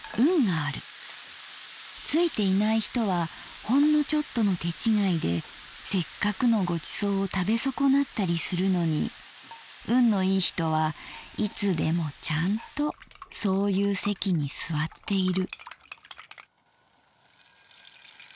ついていない人はほんのちょっとの手違いで折角のご馳走を食べそこなったりするのに運のいい人はいつでもチャンとそういう席に坐っている」。